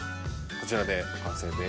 こちらで完成です。